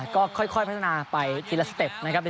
ก็ค่อยพัฒนาไปทีละสเต็ปนะครับ